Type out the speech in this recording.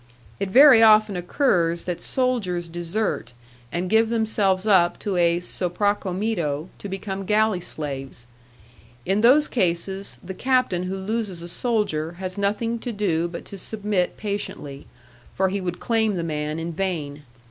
It very often occurs that soldiers desert and give themselves up to a 'sopracomito' to become galley slaves. In those cases, the captain who loses a soldier has nothing to do but to submit patiently, for he would claim the man in vain.